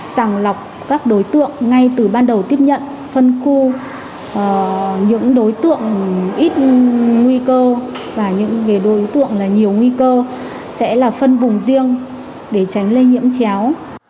sàng lọc các đối tượng ngay từ ban đầu tiếp nhận phân khu những đối tượng ít nguy cơ và những đối tượng nhiều nguy cơ sẽ là phân vùng riêng để tránh lây nhiễm chéo